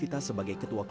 ataupun ada apa wak